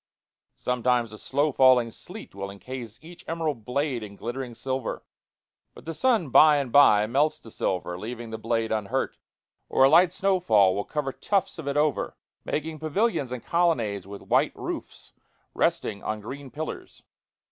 Sometimes a slow falling sleet will incase each emerald blade in glittering silver; but the sun by and by melts the silver, leaving the blade unhurt. Or a light snow fall will cover tufts of it over, making pavilions and colonnades with white roofs resting on green pillars.